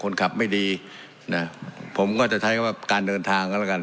คนขับไม่ดีนะผมก็จะใช้คำว่าการเดินทางกันแล้วกัน